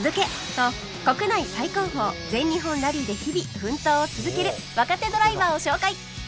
と国内最高峰全日本ラリーで日々奮闘を続ける若手ドライバーを紹介